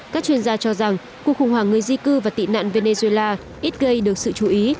các chuyên gia cho rằng cuộc khủng hoảng người di cư và tị nạn venezuela ít gây được sự chú ý